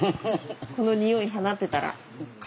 このにおい放ってたら。